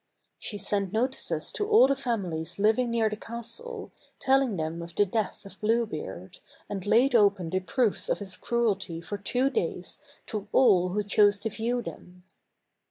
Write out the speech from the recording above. She sent notices to all the families living near the castle, telling them of the death of Blue Beard, and laid open the proofs of his cruelty for two days to all who chose to view them.